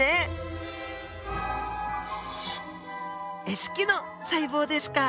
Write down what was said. Ｓ期の細胞ですか。